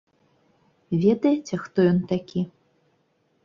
Ведаеце, хто ён такі?